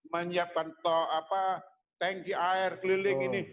menyiapkan tanki air keliling ini